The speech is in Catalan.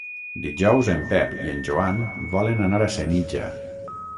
Dijous en Pep i en Joan volen anar a Senija.